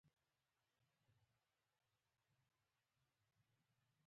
پیاز د پیزا برخه هم ده